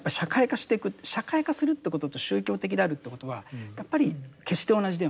社会化するということと宗教的であるということはやっぱり決して同じではない。